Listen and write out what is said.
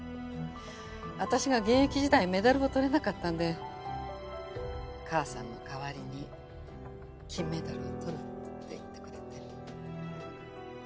私が現役時代メダルをとれなかったんで母さんの代わりに金メダルをとるって言ってくれて。